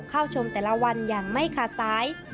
เข้าชมแต่ละวันอย่างไม่ขาดสาย